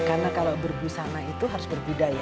karena kalau berbusana itu harus berbudaya